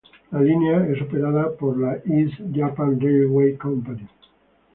La línea es operada por la East Japan Railway Company.